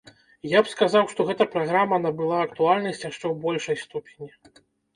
Я б сказаў, што гэта праграма набыла актуальнасць яшчэ ў большай ступені.